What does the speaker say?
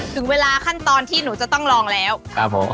ถึงเวลาขั้นตอนที่หนูจะต้องลองแล้วครับผม